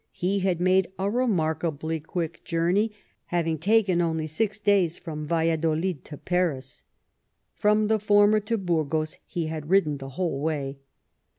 He had made a remarkable quick journey, having taken only six days from Valladolid to Paris. From the former to Burgos he had ridden the whole way.